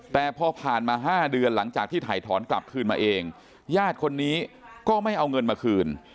แต่พอผ่านมา๕เดือนหลังจากที่ถ่ายถอนกลับคืนมาเองญาติคนนี้ก็ไม่เอาเงินมาคืน